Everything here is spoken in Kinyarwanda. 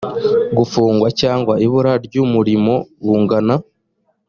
gufungwa cyangwa ibura ry umurimo bungana